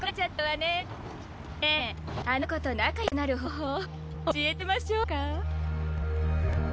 ねぇあの子と仲よくなる方法教えてあげましょうか？